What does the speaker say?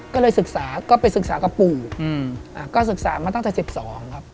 ก็เลยศึกษาก็ไปศึกษากับปู่ก็ศึกษามาตั้งแต่๑๒ครับ